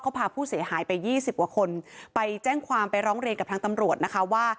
เขาพาผู้เสียหายไปยี่สิบกว่าคนไปแจ้งความไปร้องเรียนกับทางตำรวจนะคะว่า